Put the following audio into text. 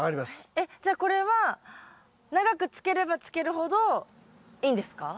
えっじゃあこれは長くつければつけるほどいいんですか？